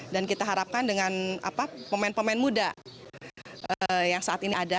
dan kita harapkan dengan pemain pemain muda yang saat ini ada